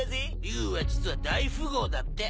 竜は実は大富豪だって。